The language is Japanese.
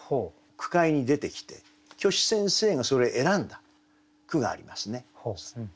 句会に出てきて虚子先生がそれ選んだ句がありますね。